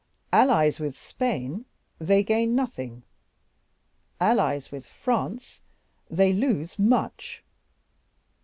"Allies with Spain, they gain nothing; allies with France, they lose much."